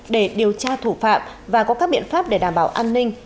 để điều tra thủ phạm và có các biện pháp để đảm bảo an ninh